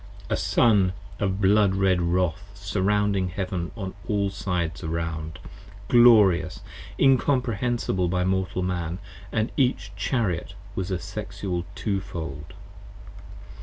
10 A Sun of blood red wrath surrounding heaven on all sides around, Glorious, incomprehensible by Mortal Man, & each Chariot was Sexual Twofold.